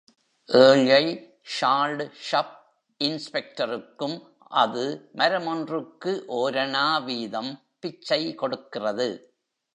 ஏழை ஸால்ட் ஸப் இன்ஸ்பெக்டருக்கும் அது மரமொன்றுக்கு ஓரணா வீதம் பிச்சை கொடுக்கிறது.